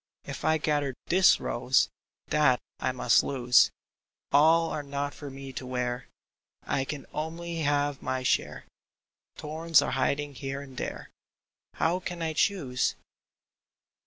If I gather this rose, That I must lose ! All are not for me to wear ; I can only have my share ; Thorns are hiding here and there ; How can I choose